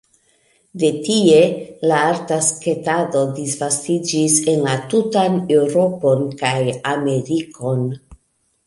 De tie la arta sketado disvastiĝis en la tutan Eŭropon kaj Amerikon.